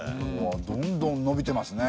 どんどんのびてますね。